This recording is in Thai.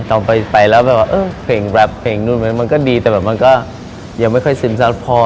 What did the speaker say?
ตอนไปแรปมันก็ดีแต่มันก็ยังไม่ค่อยสินสารพอ